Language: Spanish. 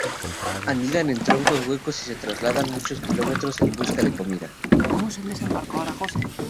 Anidan en troncos huecos y se trasladan muchos kilómetros en busca de comida.